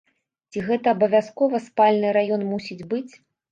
Ці гэта абавязкова спальны раён мусіць быць?